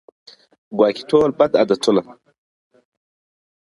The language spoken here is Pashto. ګواکي ټول بد عادتونه